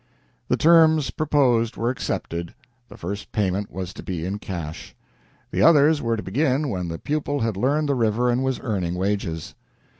The terms proposed were accepted. The first payment was to be in cash; the others were to begin when the pupil had learned the river and was earning wages.